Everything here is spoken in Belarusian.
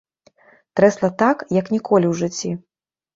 Трэсла так, як ніколі ў жыцці.